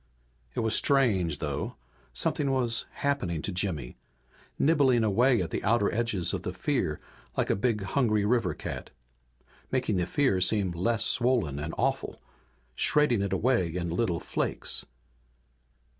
It was strange, though. Something was happening to Jimmy, nibbling away at the outer edges of the fear like a big, hungry river cat. Making the fear seem less swollen and awful, shredding it away in little flakes.